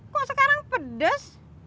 kok sekarang pedas